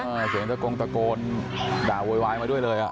เสียงตะโกงตะโกนด่าโวยวายมาด้วยเลยอ่ะ